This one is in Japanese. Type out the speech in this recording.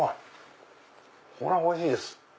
これはおいしいです。